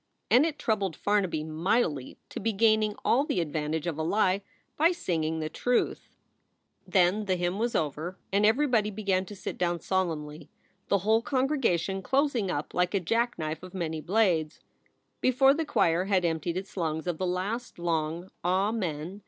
And it troubled Farnaby mightily to be gaining all the advantage of a lie by singing the truth. SOULS FOR SALE 5 Then the hymn was over, and everybody began to sit down solemnly, the whole congregation closing up like a jackknife of many blades. Before the choir had emptied its lungs of the last long "Ah men!"